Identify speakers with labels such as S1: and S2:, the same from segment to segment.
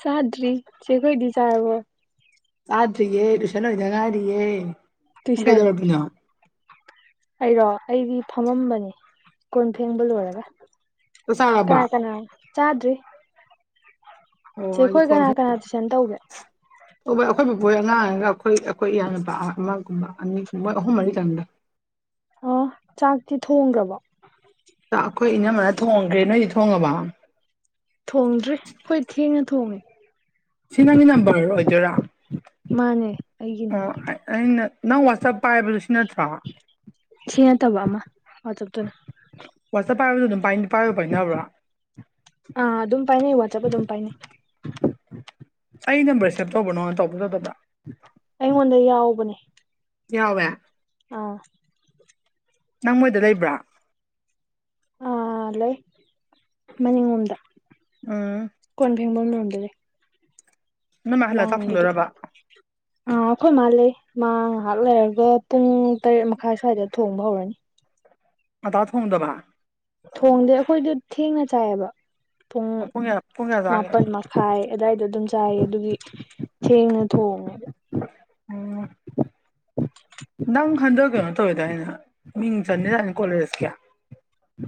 S1: ꯆꯥꯗ꯭ꯔꯤ ꯆꯦ ꯈꯣꯏꯗꯤ ꯆꯥꯔꯕꯣ
S2: ꯆꯥꯗ꯭ꯔꯤꯌꯦ ꯇ꯭ꯌꯨꯁꯟ ꯂꯣꯏꯗ ꯉꯥꯢꯡꯏꯔꯤꯌꯦ ꯅꯧ
S1: ꯇꯨꯏꯁꯟ
S2: ꯀꯩꯗꯧꯔꯃꯤꯅꯣ
S1: ꯑꯩꯔꯣ ꯑꯩꯗꯤ ꯐꯝꯂꯥꯝꯕꯅꯤ ꯀꯣꯟ ꯐꯦꯡꯕ ꯂꯣꯏꯔꯒꯥ
S2: ꯆꯥꯛ ꯆꯥꯔꯕ
S1: ꯀꯅꯥ ꯀꯅꯥ ꯆꯥꯗ꯭ꯔꯤ
S2: ꯑꯣ ꯑꯩꯗꯤ
S1: ꯆꯦꯈꯣꯏ
S2: ꯀꫭꯟ
S1: ꯀꯅꯥ ꯀꯅꯥ
S2: ꯐꯦꯡ
S1: ꯇꯨꯏꯁꯟ ꯇꯧꯒꯦ
S2: ꯑꯣ ꯕꯥ ꯑꯩꯈꯣꯏ ꯕꯣꯏ ꯑꯉꯥꯡꯒ ꯑꯩꯈꯣꯏ ꯑꯩꯈꯣꯏ ꯏꯌꯥꯅꯨꯄꯥ ꯑꯃꯒꯨꯝꯕ ꯑꯅꯤꯒꯨꯝꯕ ꯑꯍꯨꯝ ꯃꯔꯤ ꯇꯪꯗ
S1: ꯑꫭ ꯆꯥꯛꯇꯤ ꯊꯣꯡꯒꯔꯕ
S2: ꯑꯩꯈꯣꯏ ꯏꯅꯝꯃꯅ ꯊꯣꯡꯈ꯭ꯔꯦ ꯅꯣꯏꯗꯤ ꯊꯣꯡꯉꯕ
S1: ꯊꯣꯡꯗ꯭ꯔꯤ ꯑꯈꫭꯏ ꯊꯦꯡꯅ ꯊꯣꯡꯉꯦ
S2: ꯁꯤ ꯅꯪꯒꯤ ꯅꯝꯕꯔ ꯑꯣꯏꯗꯣꯏꯔꯥ
S1: ꯃꯥꯅꯦ ꯑꯩꯒꯤꯅꯤ
S2: ꯑꯣ ꯑꯩꯅ ꯅꯪ ꯋꯥꯠꯖꯞ ꯄꯥꯏꯕꯗꯨ ꯁꯤ ꯅꯠꯇ꯭ꯔꯣ
S1: ꯁꯤ ꯅꯠꯇꯕ ꯑꯃꯥ ꯋꯥꯆꯞ ꯇꯨꯅ
S2: ꯋꯥꯆꯞ ꯄꯥꯏꯕꯗꯨ ꯑꯗꯨꯝ ꯄꯥꯏꯕꯨ ꯄꯥꯏꯅꯕꯔꫭ
S1: ꯑꯥ ꯑꯗꯨꯝ ꯄꯥꯏꯅꯩ ꯋꯥꯆꯞ ꯑꯗꯨꯝ ꯄꯥꯏꯅꯩ
S2: ꯑꯩ ꯅꯝꯕꯔ ꯁꯦꯞ ꯇꯧꯕ꯭ꯔꯣ ꯅꯪꯒꯣꯟꯗ ꯇꯧꯕꯔ ꯇꯧꯗꯕꯔ
S1: ꯑꯩꯉꯣꯟꯗ ꯌꯥꯎꯕꯅꯦ
S2: ꯌꯥꯎꯋꯦ
S1: ꯑꯥ
S2: ꯅꯪ ꯃꯣꯏꯗ ꯂꯩꯕ꯭ꯔꯥ
S1: ꯑꯥ ꯂꯩ ꯃꯅꯤꯡ ꯂꯣꯝꯗ
S2: ꯎꯝ
S1: ꯀꯣꯟ ꯐꯦꯡꯕꯝ ꯂꯣꯝꯗ ꯂꯩ
S2: ꯅꯣꯏ ꯃꯥ ꯍꯜꯂ ꯆꯥꯛ
S1: ꯂꯥꯡꯕꯨꯗꯤ
S2: ꯊꯣꯡꯗꯣꯏꯔꯕ
S1: ꯑꯥ ꯑꯩꯈꯣꯏ ꯃꯥ ꯂꯩ ꯃꯥ ꯉꯥꯏꯍꯥꯛ ꯂꯩꯔꯒ ꯄꯨꯡ ꯇꯔꯦꯠ ꯃꯈꯥꯏ ꯑꯁ꯭ꯨꯋꯥꯏꯗ ꯊꯣꯡꯕ ꯍꯧꯔꯅꯤ
S2: ꯉꯟꯇꯥ ꯊꯣꯡꯗꯥꯕ
S1: ꯊꯣꯡꯗꯦ ꯑꯩꯈꯣꯏꯗꯤ ꯊꯦꯡꯅꯥ ꯆꯥꯏꯌꯦꯕ ꯄꯨꯡ
S2: ꯑꯣ ꯀꯌꯥ ꯄꯨꯡ ꯀꯌꯥ ꯆꯥꯒꯦ
S1: ꯃꯥꯄꯟ ꯃ ꯈꯥꯏ ꯑꯗꯥꯏꯗ ꯑꯗꯨꯝ ꯆꯥꯏ ꯑꯗꯨꯒꯤ ꯊꯦꯡꯅ ꯊꯣꯡꯉꯦ
S2: ꯎꯝ ꯅꯪ ꯈꯟꯗꯛ ꯀꯩꯅꯣ ꯇꯧꯋꯦ ꯗꯥꯏꯅꯦ ꯃꯤꯡ ꯆꯟꯅꯤꯗꯥꯏꯅꯦ ꯀꯣꯂꯦꯖꯀꯤ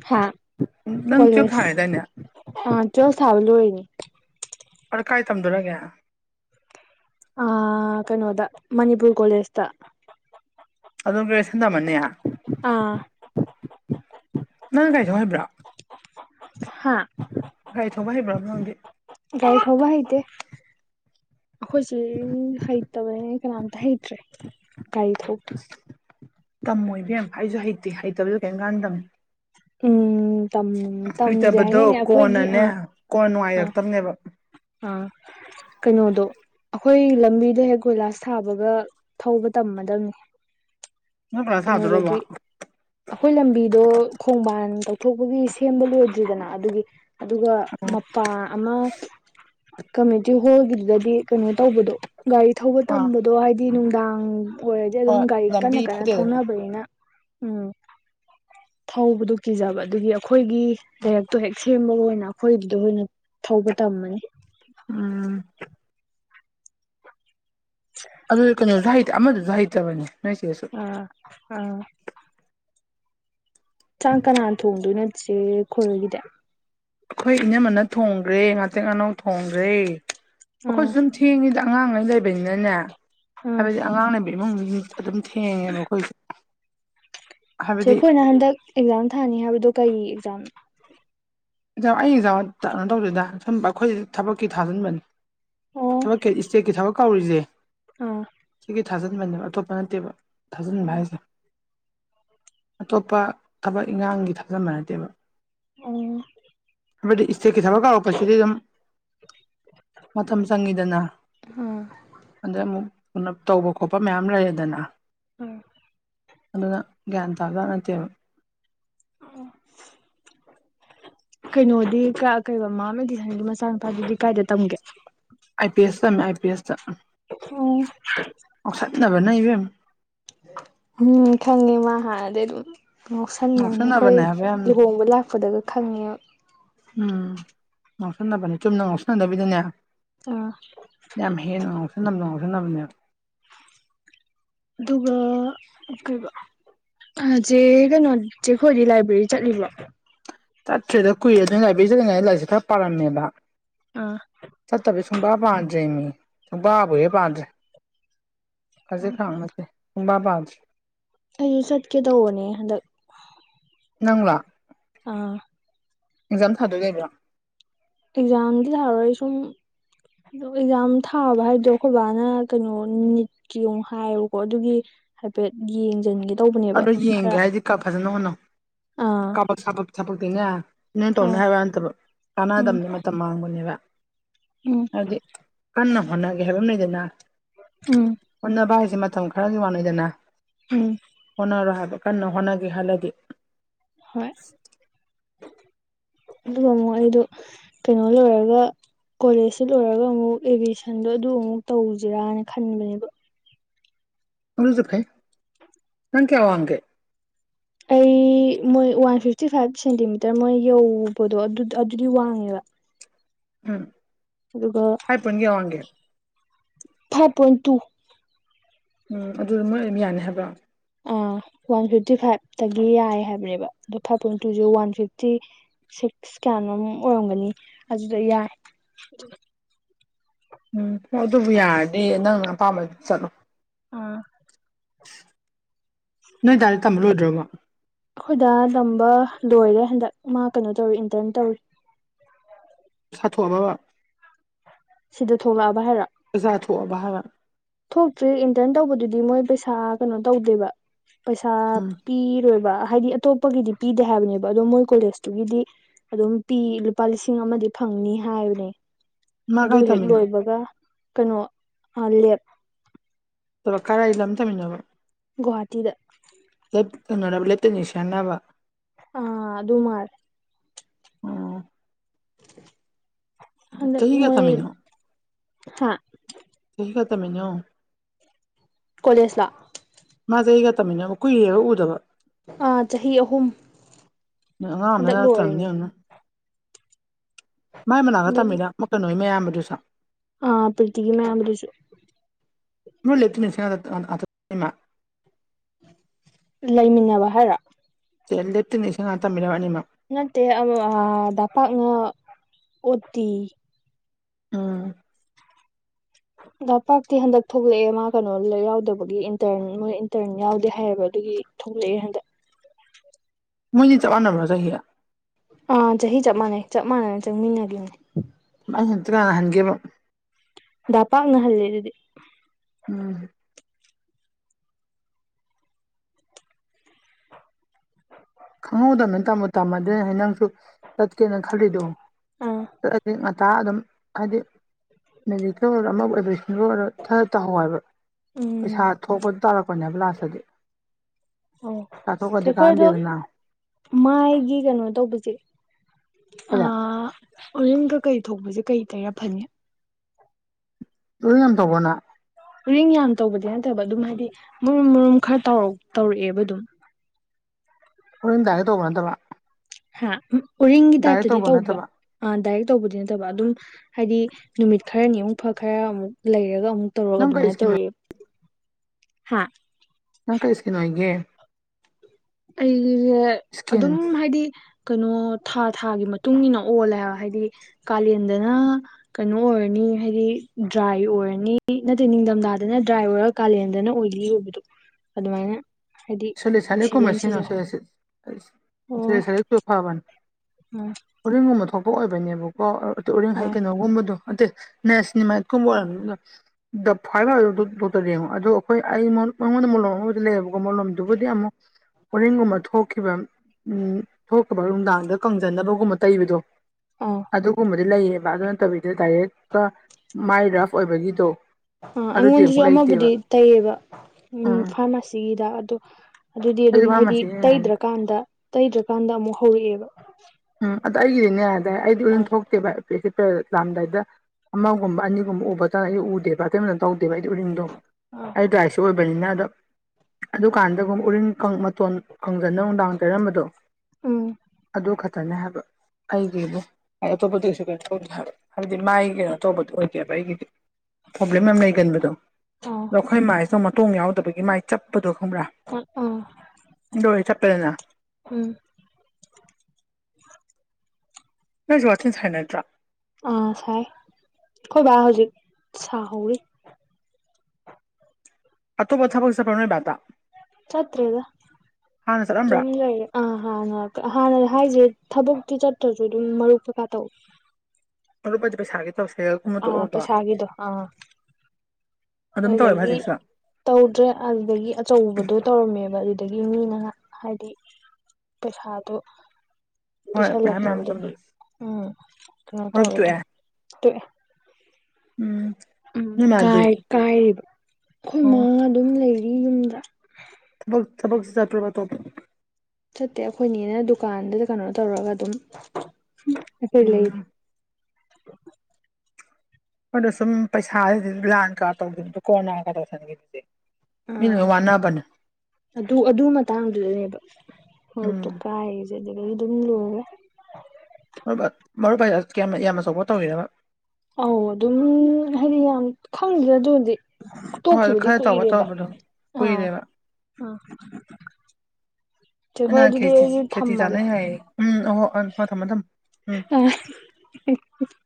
S1: ꯍꯥꯥ
S2: ꯅꯪ ꯇꯨꯌꯦꯞ ꯊꯥꯔꯦꯗꯥꯏꯅꯦ
S1: ꯑ ꯇꯨꯏꯌꯦꯞ ꯊꯥꯕ ꯂꯣꯏꯔꯤꯅꯤ
S2: ꯑꯗꯨ ꯀꯥꯏ ꯇꯝꯗꫭꯔꯒꯦ
S1: ꯑ ꯀꯩꯅꯣꯗ ꯃꯅꯤꯄꯨꯔ ꯀꯣꯂꯦꯁꯇ
S2: ꯑꯗꯨ ꯒ꯭ꯔꯁꯟ ꯇꯝꯃꯅꯤ
S1: ꯑꯥ
S2: ꯅꯪ ꯒꯥꯔꯤ ꯊꯧ ꯍꯩꯕꯔꫭ
S1: ꯍꯥ
S2: ꯒꯥꯔꯤ ꯊꯧꯕ ꯍꯩꯕ꯭ꯔꯥꯕ ꯅꯪꯗꯤ
S1: ꯒꯥꯔꯤ ꯊꯧꯕ ꯍꯩꯇꯦ ꯑꯩꯈꯣꯏ ꯆꯦꯖꯤꯡ ꯍꯩꯇꯕꯅꯦ ꯀꯅꯥꯝꯇ ꯍꯩꯇ꯭ꯔꯦ ꯒꯥꯔꯤ ꯊꯧ
S2: ꯇꯝꯃꯨ ꯏꯕꯦꯝ ꯑꯩꯁꯨ ꯍꯩꯇꯦ ꯍꯩꯇꯕꯖꯨ ꯀꯩꯝ ꯀꯥꯟꯗꯝꯅꯦ
S1: ꯎꯝ ꯇꯝ ꯇꯝꯖꯦ
S2: ꯍꯩꯇꯕꯗꯣ
S1: ꯍꯥꯏꯅꯩꯅꯦ ꯑꯩꯈꯣꯏꯒꯤ
S2: ꯀꯣꯟꯅꯅꯦ
S1: ꯑꯥ
S2: ꯀꯣꯟꯅ
S1: ꯑꯥ
S2: ꯅꯨꯡꯉꯥꯏꯔꯛꯇꯕꯅꯦꯕ
S1: ꯑꯥ ꯀꯩꯅꯣꯗꯣ ꯑꯩꯈꯣꯏ ꯂꯝꯕꯤꯗꯣ ꯍꯦꯛ ꯒꯣꯏꯂꯥꯁ ꯊꯥꯕꯒ ꯊꯧꯕ ꯇꯝꯃꯗꯕꯅꯤ
S2: ꯅꯪ ꯀ꯭ꯂꯥꯁ ꯊꯥꯗꯣꯔꯕꯣ
S1: ꯀꯩꯅꯣꯗꯗꯤ ꯑꯩꯈꯣꯏ ꯂꯝꯕꯤꯗꯣ ꯈꯣꯡꯕꯥꯟ ꯇꯧꯊꯣꯛꯄꯒꯤ ꯁꯦꯝꯕ ꯂꯣꯏꯗ꯭ꯔꯤꯗꯅ ꯑꯗꯨꯒꯤ ꯑꯗꯨꯒ ꯃꯄꯥꯥꯟ ꯑꯃ ꯀꯃꯨꯅꯤꯇꯤ ꯍꯣꯜꯒꯤꯗꯨꯗꯗꯤ ꯀꯩꯅꯣ ꯇꯧꯕꯗꯣ ꯒꯥꯔꯤ ꯊꯧꯕ
S2: ꯑꯥ
S1: ꯇꯝꯕꯗ ꯑꯗꯣ ꯍꯥꯏꯗꯤ ꯅꯨꯡꯗꯥꯡ ꯑꯣꯏꯔꯗꯤ ꯑꯗꯨꯝ
S2: ꯍꯣꯏ
S1: ꯒꯥꯔꯤ ꯀꯟꯅ
S2: ꯂꯝꯕꯤ
S1: ꯀꯟꯅ
S2: ꯐꯠꯇꯦꯗꯅ
S1: ꯊꯧꯅꯕꯅꯤꯅ ꯎꯝ ꯊꯧꯕꯗꯣ ꯀꯤꯖꯕ ꯑꯗꯨꯒꯤ ꯑꯩꯈꯣꯏꯒꯤ ꯂꯥꯏꯔꯛꯇꯣ ꯍꯦꯛ ꯁꯦꯝꯃꯒ ꯑꯣꯏꯅ ꯑꯩꯈꯣꯏꯗ ꯑꯣꯏꯅ ꯊꯧꯕ ꯇꯝꯃꯅꯤ
S2: ꯎꯝ
S1: [unintelligible]
S2: ꯑꯗꯨ ꯀꯩꯅꯣꯁꯨꯖ ꯍꯩꯇ ꯑꯃꯗꯁꯨ ꯍꯩꯇꯕꯅꯦ ꯅꯣꯏ ꯁꯤꯁ
S1: ꯎ ꯎꯝ ꯆꯥꯛ ꯀꯅꯥ ꯊꯣꯡꯗꯣꯏ ꯅꯠꯁꯦ ꯈꯣꯏꯔꯒꯤꯗꯤ
S2: ꯑꯩꯈꯣꯏ ꯏꯅꯝꯃꯅ ꯊꯣꯡꯒ꯭ꯔꯦ ꯉꯇꯦꯛ ꯉꯥꯅꯧ ꯊꯣꯡꯈ꯭ꯔꯦ ꯑꯩꯈꯣꯏꯁꯨ
S1: ꯑꯥ
S2: ꯁꯨꯝ ꯊꯦꯡꯉꯤ ꯁꯤ ꯑꯉꯥꯡꯉꯩ ꯂꯩꯕꯅꯤꯅꯅꯦ
S1: ꯑꯥ
S2: ꯍꯥꯏꯕꯗꯤ ꯑꯉꯥꯡꯅꯕꯤ ꯏꯃꯨꯡꯒꯤꯅꯤ ꯑꯗꯨꯝ ꯊꯦꯡꯉꯉꯦ ꯃꯈꯣꯏꯁꯦ
S1: ꯁꯦ ꯑꯩꯈꯣꯏꯅ ꯍꯟꯗꯛ ꯑꯦꯛꯖꯥꯝ ꯊꯥꯅꯤ ꯍꯥꯏꯕꯗꯣ ꯀꯩ ꯑꯦꯛꯖꯥꯝ
S2: ꯏꯖ ꯑꯩꯩꯅ ꯏꯖꯥ ꯀꯩꯅꯣ ꯇꯧꯗꯣꯏꯗ ꯁꯨꯝ ꯑꯩꯈꯣꯏ ꯊꯕꯛꯀꯤ ꯊꯥꯖꯤꯟꯕꯅꯤ
S1: ꯑꯣ
S2: ꯊꯕꯛ ꯏꯁꯇꯦꯠꯀꯤ ꯊꯕꯛ ꯀꯧꯔꯤꯁꯦ
S1: ꯑꯥ
S2: ꯁꯤꯒꯤ ꯊꯥꯖꯤꯟꯕꯅꯦꯕ ꯑꯇꯣꯞꯄ ꯅꯠꯇꯦꯕ ꯊꯥꯖꯤꯟꯕ ꯍꯥꯏꯁꯦ ꯑꯇꯣꯞꯄ ꯊꯕꯛ ꯏꯪꯈꯥꯡꯒꯤ ꯊꯥꯖꯕ ꯅꯠꯇꯦꯕ
S1: ꯎꯝ
S2: ꯕꯦꯗꯤ ꯏꯁꯦꯀꯤ ꯊꯕꯒꯄꯁꯤꯤ ꯑꯗꯨꯝ ꯃꯇꯝ ꯆꯪꯉꯤꯗꯅ
S1: ꯑꯥ
S2: ꯑꯗꯩ ꯑꯃꯨꯛ ꯇꯧꯕ ꯈꯣꯠꯄ ꯃꯌꯥꯝ ꯂꯩꯌꯦꯗꯅ
S1: ꯎꯝ
S2: ꯑꯗꯨꯅ ꯒ꯭ꯌꯥꯟ ꯇꯥꯕꯗ ꯅꯠꯇꯦꯕ
S1: ꯑꯣ ꯀꯩꯅꯣꯗꯤ ꯀꯩꯣꯃ ꯑꯃꯗꯤꯗꯤꯁꯥꯏꯗꯨ ꯃꯆꯥꯅꯨꯄꯥꯗꯨꯗꯤ ꯀꯥꯏꯗ ꯇꯝꯒꯦ
S2: ꯑꯥꯏ ꯄꯤ ꯑꯦꯁ ꯇꯝꯃꯦ ꯑꯥꯏ ꯄꯤ ꯑꯦꯁ ꯇ
S1: ꯑꯣ
S2: ꯑꯣꯁꯥꯗ ꯅꯕ ꯅ ꯏꯕꯦꯝ
S1: ꯎꯝ ꯈꯪꯉꯦ ꯃꯥ ꯍꯥꯥꯟꯗ ꯑꯗꯨ ꯉꯥꯎꯁꯟꯅꯅꯤ ꯑꯩꯈꯣꯏ
S2: ꯉꯥꯎꯁꯟꯅꯕꯅꯦ ꯍꯥꯏꯕ ꯌꯥꯝ
S1: ꯂꯨꯍꯣꯡꯕ ꯂꯥꯛꯄꯗꯒ ꯈꯪꯉꯦ
S2: ꯎꯝ ꯉꯥꯎꯁꯟꯅꯕꯅꯤ ꯆꯨꯝꯅ ꯉꯥꯎꯁꯟꯅꯗꯕꯤꯗꯅꯦ
S1: ꯑ
S2: ꯌꯥꯝ ꯍꯦꯟꯅ ꯉꯥꯎꯁꯟꯅꯕꯗꯣ ꯉꯥꯎꯁꯟꯅꯕꯅꯦꯕ
S1: ꯑꯗꯨꯒ ꯀꯩꯕ ꯆꯦ ꯀꯩꯅꯣ ꯆꯦ ꯈꯣꯏꯗꯤ ꯂꯥꯏꯕ꯭ꯔꯦꯔꯤ ꯆꯠꯂꯤꯕ꯭ꯔꯣ
S2: ꯆꯠꯇ꯭ꯔꯦꯗ ꯀꯨꯏꯔꯦꯗ ꯂꯥꯏꯕ꯭ꯔꯦꯔꯤ ꯆꯠꯂꯤꯉꯩꯗ ꯂꯥꯏꯔꯤꯛꯁꯦ ꯈꯔ ꯄꯥꯔꯝꯃꯦꯕ
S1: ꯑꯥ
S2: ꯆꯠꯇꯕꯗꯩ ꯁꯨꯡꯄꯥ ꯄꯥꯗ꯭ꯔꯦꯃꯤ ꯁꯨꯡꯕꯥꯕꯨ ꯍꯦꯛ ꯄꯥꯗ꯭ꯔꯦ ꯈꯖꯤꯛ ꯈꯔꯥꯛ ꯅꯠꯇꯦ ꯁꯨꯡꯄꯥ ꯄꯥꯗ꯭ꯔꯦ
S1: ꯑꯩꯁꯨ ꯆꯠꯀꯦ ꯇꯧꯕꯅꯦ ꯍꯟꯗꯛ
S2: ꯅꯪꯪꯂꯣ
S1: ꯑꯥ
S2: ꯑꯦꯛꯖꯥꯝ ꯊꯗꯣꯏ ꯂꯩꯕ꯭ꯔꯣ
S1: ꯑꯦꯛꯖꯥꯝꯗꯤ ꯊꯥꯔꯣꯏ ꯑꯩ ꯁꯨꯝ ꯑꯗꯣ ꯑꯦꯛꯖꯥꯝ ꯊꯥꯕ ꯍꯥꯏꯗꯣ ꯑꯩꯈꯣꯏ ꯕꯥꯅ ꯀꯩꯅꯣ ꯅꯤꯠ ꯀꯤꯌꯣ ꯍꯥꯏꯕꯀꯣ ꯑꯗꯨꯒꯤ ꯍꯥꯏꯐꯦꯠ ꯌꯦꯡꯖꯟꯒꯦ
S2: ꯑꯗꯣ ꯌꯦꯡꯒꯦ ꯍꯥꯏꯗꯤ ꯐꯖꯅ ꯍꯣꯠꯅꯧ
S1: ꯑꯥ
S2: ꯀꯥꯕꯛ ꯁꯥꯕꯛ ꯊꯕꯛꯇꯤꯅꯦ ꯅꯪ ꯅꯇꯣꯝ
S1: ꯑꯥ
S2: ꯍꯥꯏꯕ ꯅꯠꯇꯕ
S1: ꯎꯝ
S2: ꯀꯥꯟꯅꯗꯝꯅꯦ ꯃꯇꯝ ꯃꯥꯡꯕꯅꯦꯕ
S1: ꯎꯝ
S2: ꯍꯥꯏꯕꯗꯤ ꯀꯟꯅ ꯍꯣꯠꯅꯒꯦ ꯍꯥꯏꯕ ꯑꯃ ꯂꯩꯗꯅ
S1: ꯎꯝ
S2: ꯍꯣꯠꯅꯕ ꯍꯥꯏꯁꯦ ꯃꯇꯝ ꯈꯔꯒꯤ ꯋꯥꯅꯤꯗꯅ
S1: ꯎꯝ
S2: ꯍꯣꯠꯅꯔꯣ ꯍꯥꯏꯕ ꯀꯟꯅ ꯍꯣꯠꯅꯒꯦ ꯈꯜꯂꯗꯤ
S1: ꯍꯣꯏ ꯑꯗꯨꯒ ꯑꯃꯨꯛ ꯑꯩꯗꯣ ꯀꯩꯅꯣ ꯂꯣꯏꯔꯒ ꯀꯣꯂꯦꯖꯁꯤ ꯂꯣꯏꯔꯒ ꯑꯃꯨꯛ ꯑꯦꯕꯤꯌꯦꯁꯟꯗꯣ ꯑꯗꯨ ꯑꯃꯨꯛ ꯇꯧꯁꯤꯔꯅ ꯈꯟꯕꯅꯦꯕ
S2: ꯑꯗꯨꯁꯨ ꯐꯩ ꯅꯪ ꯀꯌꯥ ꯋꯥꯡꯒꯦ
S1: ꯑꯩ ꯃꯣꯏ ꯋꯥꯟ ꯐꯤꯐꯇꯤ ꯐꯥꯏꯚ ꯁꯦꯟꯇꯤꯃꯤꯇꯔ ꯃꯣꯏ ꯌꯧꯕꯗꯣ ꯑꯗꯨ ꯑꯗꯨꯗꯤ ꯋꯥꯡꯉꯦꯕ
S2: ꯎꯝ
S1: ꯑꯗꯨꯒ
S2: ꯐꯥꯏꯚ ꯄꯣꯏꯟ ꯀꯌꯥ ꯋꯥꯡꯒꯦ
S1: ꯐꯥꯏꯚ ꯄꯣꯏꯟ ꯇꯨ
S2: ꯎꯝ ꯑꯗꯨꯗ ꯃꯣꯏ ꯑꯗꯨꯝ ꯌꯥꯅꯤ ꯍꯥꯏꯕ꯭ꯔꯣ
S1: ꯑ ꯋꯥꯟ ꯐꯤꯐꯇꯤ ꯐꯥꯏꯚꯇꯒꯤ ꯌꯥꯏ ꯍꯥꯏꯕꯅꯦꯕ ꯑꯗꯣ ꯐꯥꯏꯚ ꯄꯣꯏꯟ ꯇꯨꯁꯦ ꯋꯥꯟ ꯐꯤꯐꯇꯤ ꯁꯤꯛꯁ ꯀꯌꯥꯅꯣ ꯑꯣꯏꯔꯝꯒꯅꯤ ꯑꯗꯨꯗ ꯌꯥꯏ
S2: ꯎꯝ ꯍꯣ ꯑꯗꯨꯕꯨ ꯌꯥꯔꯗꯤ ꯅꯪ ꯑꯄꯥꯝꯕ ꯑꯗꯨ ꯆꯠꯂꯣ
S1: ꯑꯥ
S2: ꯅꯣꯏ ꯗꯥꯗꯤ ꯇꯝꯕ ꯂꯣꯏꯗꯣꯔꯕꯣ
S1: ꯑꯩꯈꯣꯏ ꯗꯥ ꯇꯝꯕ ꯂꯣꯏꯔꯦ ꯍꯟꯗꯛ ꯃꯥ ꯀꯩꯅꯣ ꯇꯧꯔꯤ ꯏꯟꯇꯔꯟ ꯇꯧꯔꯤ
S2: ꯄꯩꯁꯥ ꯊꯣꯛꯑꯕ ꯕꯥ
S1: ꯁꯤꯗ ꯊꯣꯛꯂꯛꯑꯕ ꯍꯥꯏꯔꯣ
S2: ꯕꯖꯥꯔ ꯊꯣꯛꯑꯕ ꯍꯥꯏꯕ
S1: ꯊꯣꯛꯇ꯭ꯔꯤ ꯏꯟꯇꯔꯟ ꯇꯧꯕꯗꯨꯗꯤ ꯃꯣꯏ ꯄꯩꯁꯥ ꯀꯩꯅꯣ ꯇꯧꯗꯦꯕ ꯄꯩꯁꯥ
S2: ꯎꯝ
S1: ꯄꯤꯔꯣꯏꯕ ꯍꯥꯏꯗꯤ ꯑꯇꯣꯞꯄꯒꯤꯗꯤ ꯄꯤꯗꯦ ꯍꯥꯏꯕꯅꯦꯕ ꯑꯗꯣ ꯃꯣꯏ ꯀꯣꯂꯦꯖꯇꯨꯒꯤꯗꯤ ꯑꯗꯨꯝ ꯄꯤ ꯂꯨꯄꯥ ꯂꯤꯁꯤꯡ ꯑꯃꯗꯤ ꯐꯪꯅꯤ ꯍꯥꯏꯕꯅꯦ
S2: ꯃꯥ
S1: ꯑꯗꯨ
S2: ꯀꯥꯏ
S1: ꯍꯦꯛ
S2: ꯇꯝꯃꯤꯅꯣ
S1: ꯂꯣꯏꯕꯒ ꯀꯩꯅꯣ ꯑ ꯂꯦꯞ
S2: ꯑ ꯀꯔꯥꯏ ꯂꯝ ꯊꯝꯃꯤꯅꯣꯕ
S1: ꯒꯣꯍꯥꯇꯤꯗ
S2: ꯂꯦꯞ ꯀꯩꯅꯣꯔꯥꯕ ꯂꯦꯞ ꯇꯦꯛꯅꯤꯁꯤꯌꯟꯔꯕ
S1: ꯑ ꯑꯗꯨ ꯃꯥꯜꯂꯦ
S2: ꯑꯣ
S1: ꯍꯟꯗꯛ
S2: ꯆꯍꯤ ꯀꯌꯥ
S1: ꯃꯣꯏ
S2: ꯇꯝꯃꯤꯅꯣ
S1: ꯍꯥ
S2: ꯆꯍꯤ ꯀꯌꯥ ꯇꯝꯃꯤꯅꯣ
S1: ꯀꯣꯂꯦꯖ ꯂꯣ
S2: ꯃꯥ ꯆꯍꯤ ꯀꯌꯥ ꯇꯝꯃꯤꯟꯅꯣꯕ ꯀꯨꯏꯔꯦꯕ ꯎꯗꯕ
S1: ꯑꯥ ꯆꯍꯤ ꯑꯍꯨꯝ
S2: ꯑꯉꯥꯡ
S1: ꯍꯟꯗꯛ
S2: ꯑꯃꯅ ꯇꯧꯔꯝꯃꯤꯅꯦ
S1: ꯂꯣꯏꯔꯤꯅꯦ
S2: ꯌꯦꯡꯉꯣꯅꯦ ꯃꯥꯏ ꯃꯅꯥꯛꯛꯇ ꯇꯝꯃꯤꯔ ꯑꯃ ꯀꯩꯅꯣꯏ ꯃꯌꯥꯝꯕꯗꯨꯁꯨ
S1: ꯑ ꯄꯇꯤꯒꯤ ꯃꯥꯌꯥꯝꯔꯤꯁꯨ
S2: ꯂꯣꯏ ꯂꯦꯞꯇꯅꯁꯦ ꯑ
S1: ꯂꯩꯃꯤꯟꯅꯕ ꯍꯥꯏꯔ
S2: ꯆꯦꯂꯠꯅꯤꯁ ꯉ ꯇꯝꯃꯤꯔ ꯋꯥꯅꯤꯤꯃ
S1: ꯅꯠꯇꯦ ꯅꯄꯥꯛꯅꯥ ꯑꯣꯠꯇꯤ
S2: ꯎꯝ
S1: ꯂꯄꯥꯛꯇꯤ ꯍꯟꯗꯛ ꯊꯣꯛꯂꯛꯑꯦ ꯃꯥ ꯀꯩꯅꯣ ꯌꯥꯎꯗꯕꯒꯤ ꯏꯟꯇꯔꯟ ꯃꯣꯏ ꯏꯟꯇꯔꯟ ꯌꯥꯎꯗꯦ ꯍꯥꯏꯌꯦꯕ ꯑꯗꯨꯒꯤ ꯊꯣꯛꯂꯛꯑꯦ ꯍꯟꯗꯛ
S2: ꯃꯣꯏꯅꯤ ꯆꯞ ꯃꯟꯅꯕꯔꯥ ꯍꯟꯗꯛ ꯆꯍꯤ
S1: ꯑꯥ ꯆꯍꯤ ꯆꯞ ꯃꯥꯟꯅꯩ ꯆꯞ ꯃꯥꯟꯅꯅ ꯆꯪꯃꯤꯟꯅꯈꯤꯕꯅꯦ
S2: ꯃ ꯅꯠꯇ꯭ꯔ ꯍꯪꯦ
S1: ꯑꯗꯥ ꯄꯥꯛꯅꯍꯜꯂꯦ ꯑꯗꯨꯗꯤ
S2: ꯎꯝ ꯈꯪꯍꯧꯗꯕꯅ ꯇꯝꯃꯣ ꯇꯝꯃꯣ ꯑꯗꯨꯅ ꯍꯥꯏ ꯅꯪꯁꯨ ꯆꯠꯀꯦꯅ ꯈꯜꯂꯤꯗꯣ
S1: ꯑꯥ
S2: ꯗꯤ ꯉꯇꯥ ꯑꯗꯨꯝ ꯍꯥꯏꯗꯤ ꯃꯦꯖꯤꯀꯦꯜ ꯑꯣꯏꯔꯣ ꯑꯃꯐꯕꯨ ꯑꯦꯕꯦꯁꯟꯕꯨ ꯑꯣꯏꯔꯣ ꯊꯔ ꯇꯥꯍꯧ ꯍꯥꯏꯕ
S1: ꯎꯝ
S2: ꯄꯩꯁꯥ ꯊꯣꯛꯄꯗꯨ ꯇꯥꯔꯛꯄꯅꯦꯕ ꯂꯥꯁꯇꯗꯤ
S1: ꯑꯣ
S2: ꯄꯩꯁꯥ ꯊꯣꯛꯀꯗꯤ
S1: ꯑꯩꯈꯣꯏꯗꯣ
S2: ꯀꯥꯟꯅꯗꯦꯗꯅ
S1: ꯃꯥꯏꯒꯤ ꯀꯩꯅꯣ ꯇꯧꯕꯁꯦ ꯑ
S2: ꯐꯔꯦ
S1: ꯑꯣ ꯌꯨꯝꯒ ꯀꯩ ꯊꯣꯛꯄꯁꯦ ꯀꯩ ꯇꯩꯔꯥ ꯐꯅꯤ
S2: ꯎꯔꯤꯡ ꯌꯥꯝ ꯇꯦꯕ꯭ꯔꯣ ꯅꯪ
S1: ꯔꯤꯡ ꯌꯥꯝ ꯇꯧꯕꯗꯤ ꯅꯠꯇꯕ ꯑꯗꯨꯝ ꯍꯥꯏꯗꯤ ꯃꯨꯔꯨꯝ ꯃꯣꯔꯨꯝ ꯈꯔꯔ ꯇꯧꯔꯛꯑꯦꯕ ꯑꯗꯨꯝ
S2: ꯍꯣꯏꯝꯗꯥꯏꯒ ꯇꯧꯕ ꯅꯠꯇꯕ
S1: ꯍꯥ ꯎꯔꯤꯡꯒꯤ
S2: ꯗꯥꯏꯔꯦꯛ
S1: ꯇꯥꯏꯞꯇꯗꯤ ꯇꯧꯕ
S2: ꯅꯠꯇꯕ
S1: ꯑ ꯗꯥꯏꯔꯦꯛ ꯇꯧꯕꯗꯤ ꯅꯠꯇꯕ ꯑꯗꯨꯝ ꯍꯥꯏꯗꯤ ꯅꯨꯃꯤꯠ ꯈꯔꯅꯤ ꯑꯃꯨꯛ ꯐ ꯈꯔ ꯑꯃꯨꯛ ꯂꯩꯔꯒ ꯑꯃꯨꯛ ꯇꯧꯔꯣ
S2: ꯅꯪ ꯀꯩ
S1: ꯑꯗꯨꯃꯥꯏꯅ
S2: ꯏꯁꯀꯤꯟ
S1: ꯇꯧꯔꯤ ꯍꯥ
S2: ꯅꯪ ꯀꯔꯤꯀꯦ ꯅꯣꯦ
S1: ꯑꯩ
S2: ꯏꯁꯀꯤꯟ
S1: ꯑꯗꯨꯝ ꯍꯥꯏꯗꯤ ꯀꯩꯅꯣ ꯊꯥ ꯊꯥꯒꯤ ꯃꯇꯨꯡ ꯏꯟꯅ ꯑꯣꯜꯂꯦꯕ ꯍꯥꯏꯗꯤ ꯀꯥꯂꯦꯟꯗꯅ ꯀꯩꯅꯣ ꯑꯣꯏꯔꯅꯤ ꯍꯥꯏꯗꯤ ꯗ꯭ꯔꯥꯏ ꯑꯣꯏꯔꯅꯤ ꯅꯠꯇꯦ ꯅꯤꯡꯊꯝꯊꯥꯗꯅ ꯗ꯭ꯔꯥꯏ ꯑꯣꯏꯔꯛ ꯀꯥꯂꯦꯟꯗꯅ ꯑꯣꯏꯜꯂꯤ ꯑꯣꯏꯕꯗꯣ ꯑꯗꯨꯃꯥꯏꯅ ꯍꯥꯏꯗꯤ
S2: ꯁꯣꯂꯦꯁꯂꯦꯛ ꯀꯨꯝ
S1: ꯁꯤꯖꯟ
S2: ꯁꯤꯅꯣ
S1: ꯁꯤꯖꯟ
S2: ꯁꯦ
S1: ꯑꯣ
S2: ꯁꯂ ꯁꯥꯂꯦ ꯀꯨ ꯐꯕꯅꯤ
S1: ꯎꯝ
S2: ꯎꯔꯤꯡꯒꯨꯝꯕ ꯊꯣꯛꯄ ꯑꯣꯏꯕꯅꯦꯕꯀꯣ ꯎꯔꯤꯡ ꯍꯩ
S1: ꯑꯥ
S2: ꯀꯩꯅꯣꯒꯨꯝꯕꯗꯣ ꯑ ꯅꯦꯁꯅꯤ ꯃꯥꯥꯏ ꯀꯨꯝꯕ ꯗ ꯐꯥꯏꯕꯇꯔ ꯌꯦꯡꯉꯣ ꯑ ꯑꯩꯈꯣꯏ ꯑꯩ ꯃꯉꯣꯟꯗ ꯃꯣꯂꯣꯝ ꯑꯃꯗꯤ ꯂꯩꯌꯦꯕꯀꯣ ꯃꯣꯂꯣꯝꯗ ꯌꯕꯗꯤ ꯌꯥꯝ ꯑꯃ ꯑꯣꯔꯤꯡꯒꯨꯝꯕ ꯊꯣꯛꯈꯤꯕ ꯎꯝ ꯊꯣꯛꯈꯤꯕ ꯅꯨꯡꯗꯥꯡꯗ ꯀꯪꯖꯟꯅꯕꯒꯨꯝꯕ ꯇꯩꯕꯗꯣ
S1: ꯑꯥ
S2: ꯑꯗꯨꯒꯨꯝꯕꯗꯤ ꯂꯩꯌꯦꯕ ꯑꯗꯨ ꯅꯠꯇꯕꯤꯗ ꯗꯥꯏꯔꯦꯛꯀ ꯃꯥꯏ ꯔꯐ ꯑꯣꯏꯕꯒꯤꯗꯣ
S1: ꯑ
S2: ꯑꯗꯨꯗꯤ
S1: ꯑꯩꯉꯣꯟꯗꯁꯨ
S2: ꯑꯃꯨꯛ ꯂꯩꯇꯦꯕ
S1: ꯑꯃꯕꯨꯗꯤ ꯇꯩꯌꯦꯕ ꯎꯝ ꯐꯥꯔꯃꯥꯁꯤꯒꯤꯗ ꯑꯗꯣ ꯑꯗꯨꯗꯤ
S2: ꯑꯩꯁꯨ
S1: ꯑꯗꯨꯝ ꯍꯥꯏꯗꯤ
S2: ꯐꯥꯔꯃꯥꯁꯤꯅꯦ ꯍꯥꯏꯁꯦ
S1: ꯇꯩꯗ꯭ꯔꯀꯥꯟꯗ ꯇꯩꯗ꯭ꯔꯀꯥꯟꯗ ꯑꯃꯨꯛ ꯍꯧꯔꯛꯑꯦꯕ
S2: ꯎꯝ ꯑꯗ ꯑꯩꯒꯤꯗꯤꯅꯦꯗ ꯑꯩꯗꯤ ꯑꯗꯨꯝ
S1: ꯑꯥ
S2: ꯊꯣꯛꯇꯦꯕ ꯂꯥꯛꯑꯝꯗꯥꯏꯗ ꯑꯃꯒꯨꯝꯕ ꯑꯅꯤꯒꯨꯝꯕ ꯎꯕꯗꯅ ꯑꯩ ꯎꯗꯦꯕ ꯀꯩꯝꯇ ꯇꯧꯗꯦꯕ ꯑꯩꯗꯤ ꯎꯔꯤꯡꯗꯣ
S1: ꯑꯥ
S2: ꯑꯩꯗꯋꯥꯏꯁꯨ ꯑꯣꯏ ꯑꯣꯏꯕꯅꯤꯅ ꯑꯗ ꯑꯗꯨꯀꯥꯟꯗꯒꯨꯝ ꯎꯔꯤꯟ ꯃꯇꯣꯟ ꯀꯪꯖꯟꯗ ꯅꯨꯡꯗꯥꯡ ꯇꯩꯔꯝꯕꯗꯣ
S1: ꯎꯝ
S2: ꯑꯗꯨ ꯈꯛꯇꯅꯦ ꯍꯥꯏꯕ ꯑꯩꯒꯤꯅꯦ ꯍꯥꯏꯗꯤ ꯑꯇꯣꯞꯄꯗꯤ ꯀꯩꯁꯨ ꯀꯩꯅꯣ ꯇ ꯍꯥꯏ ꯍꯥꯏꯕꯗꯤ ꯃꯥꯏꯒꯤꯩꯅꯣ ꯑꯇꯣꯞꯄꯗꯤ ꯑꯣꯏꯗꯦꯕ ꯑꯩꯒꯤꯗꯤ ꯄ꯭ꯔꯣꯕ꯭ꯂꯦꯝ ꯌꯥꯝ ꯂꯩꯒꯟꯕꯗꯣ
S1: ꯑꯥ
S2: ꯑꯗꯣ ꯑꯩꯈꯣꯏ ꯃꯥꯏꯁꯨꯣ ꯃꯇꯣꯡ ꯌꯥꯎꯗꯕꯒꯤ ꯃꯥꯏ ꯆꯞꯄꯗꯣ ꯈꯪꯕ꯭ꯔꯥ
S1: ꯑꯥ
S2: ꯂꯣꯏ ꯆꯄꯗꯅ
S1: ꯎꯝ
S2: ꯅꯪꯁꯨ ꯋꯥꯇꯤꯟ ꯁ ꯍꯥꯏ ꯅꯠꯇ꯭ꯔꯣ
S1: ꯑꯥ ꯆꯥꯏ ꯈꯣꯏ ꯍꯧꯖꯤꯛ ꯆꯥ ꯍꯧꯋ
S2: ꯑꯇꯣꯞꯄ ꯁꯥꯕꯛ ꯆꯄ ꯅꯣꯏꯕꯗ
S1: ꯆꯠꯔꯤꯗ
S2: ꯆꯠꯂꯝꯕ꯭ꯔꯥ
S1: ꯆꯨꯝ ꯏꯔ ꯑꯥ ꯍꯥꯟꯅ ꯍꯥꯟꯅ ꯍꯥꯏꯁꯦ ꯊꯕꯛꯇꯤ ꯆꯠꯇ꯭ꯔꯁꯨ ꯑꯗꯨꯝ ꯃꯔꯨꯞ ꯀꯩꯀꯥ ꯇꯧꯏ
S2: ꯑꯗꯨꯨꯄꯥ ꯄꯩꯁꯥꯒꯤꯦ ꯊꯧꯁꯦ
S1: ꯑ ꯄꯁ ꯍꯥꯏꯒꯗꯣ ꯑ
S2: ꯑꯗꯨꯝ ꯇꯧꯋꯦꯕ
S1: ꯍꯥꯏꯒꯤ
S2: ꯍꯧꯖꯤꯛꯁꯨ
S1: ꯇꯧꯗ꯭ꯔꯦ ꯑꯗꯨꯗꯒꯤ ꯑꯆꯧꯕꯗꯣ ꯇꯧꯔꯝꯃꯦꯕ ꯑꯗꯨꯗꯒꯤ ꯃꯤꯅ ꯉꯥꯛ ꯍꯥꯏꯗꯤ ꯐꯔꯍ ꯑꯗꯨꯣ
S2: ꯍꯣꯏ
S1: ꯄꯁꯥꯜ
S2: ꯃꯌꯥꯝ ꯃꯌꯥꯝ
S1: ꯂꯥꯛꯇꯦꯕ
S2: ꯇꯧꯅ
S1: ꯎꯝ ꯀꯩꯅꯣ
S2: ꯃꯔꯨꯞ
S1: ꯇꯧꯦꯗꯤ
S2: ꯇꯣꯛꯑꯦ ꯎꯝ
S1: ꯎꯝ
S2: ꯅꯣꯏ
S1: ꯀ
S2: ꯃꯥꯗꯤ
S1: ꯀꯥꯏꯔꯤꯕ ꯑꯩꯈꯣꯏ
S2: ꯑꯣ
S1: ꯃꯉꯥ ꯑꯗꯨꯝ ꯂꯩꯔꯤ ꯌꯨꯝꯗ
S2: ꯊꯕ ꯊꯕꯛꯁꯤ ꯆꯠ꯭ꯔꯕ ꯇꯣ
S1: ꯆꯠꯇꯦ ꯑꯩꯈꯣꯏꯅꯦꯅ ꯗꯨꯀꯥꯟꯗ ꯀꯩꯅꯣ ꯇꯧꯔꯒ ꯑꯗꯨꯝ ꯑꯩꯈꯣꯏ
S2: ꯎꯝ
S1: ꯂꯩꯔꯦ
S2: ꯑꯗ ꯁꯨꯝ ꯄꯩꯁꯥꯁꯤꯗꯤ ꯂꯥꯟꯒ ꯇꯧꯈꯤꯕꯗ ꯀꯣꯔꯣꯅꯥꯒ ꯇꯧꯁꯟꯈꯤꯕꯗꯨꯗꯤꯦ ꯃꯤ ꯂꯩ
S1: ꯑꯥ
S2: ꯋꯥꯅꯥ ꯄ
S1: ꯑꯗꯨ ꯑꯗꯨ ꯃꯇꯥꯡꯗꯨꯗꯅꯦꯕ ꯍꯣꯔꯛꯇ
S2: ꯎꯝ
S1: ꯀꯥꯏꯔꯤꯁꯦ ꯑꯗꯨꯗꯒꯤ ꯑꯗꯨꯝ ꯂꯣꯏꯔꯦ
S2: ꯃꯔ ꯃꯔꯨꯞꯕꯏ ꯀꯌꯥꯝ ꯌꯥꯝ ꯑꯆꯧꯕꯠ ꯇꯧꯈꯤꯦꯕ
S1: ꯑꯧ ꯑꯗꯨꯝ ꯍꯥꯏꯗꯤ ꯌꯥꯝ ꯈꯪꯗꯗꯦ ꯑꯗꯨꯕꯨꯗꯤ
S2: ꯍꯣꯏ
S1: ꯇꯣꯛꯈꯤꯕꯗꯤ
S2: ꯈꯔ ꯆꯥꯎꯕ
S1: ꯀꯨꯏꯔꯦꯕ
S2: ꯇꯧꯔꯝꯕꯗꯣ
S1: ꯑꯥ
S2: ꯀꯨꯏꯔꯦꯕ
S1: ꯑꯥ
S2: ꯅꯪ
S1: ꯦꯈꯣꯏ
S2: ꯅꯍꯥꯟ
S1: ꯑꯗꯨꯗꯤ
S2: ꯈꯦꯆꯤ
S1: ꯑꯩꯁꯨ
S2: ꯈꯦꯆꯤ
S1: ꯊꯝꯃꯒꯦ
S2: ꯆꯥꯅꯩ ꯍꯥꯏꯌꯦ ꯎꯝ ꯑꯍꯣ ꯑꯪ ꯍꯣ ꯍꯣꯏ ꯊꯝꯃꯣ ꯊꯝꯃꯣ ꯎꯝ
S1: ꯑ [unintelligible]